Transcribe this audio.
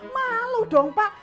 malu dong pak